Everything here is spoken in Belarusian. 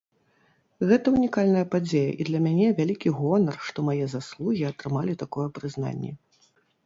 Гэта ўнікальная падзея, і для мяне вялікі гонар, што мае заслугі атрымалі такое прызнанне.